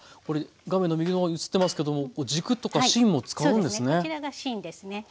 あ画面の右側に映ってますけども軸とか芯も使うんですね。